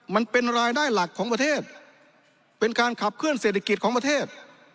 มันเป็นรายได้หลักของประเทศเป็นการขับเคลื่อเศรษฐกิจของประเทศ